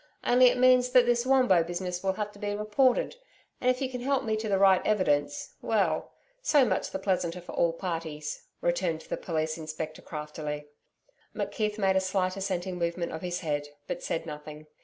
Only it means that this Wombo business will have to be reported, and if you can help me to the right evidence well, so much the pleasanter for all parties,' returned the Police Inspector craftily. McKeith made a slight assenting movement of his head, but said nothing.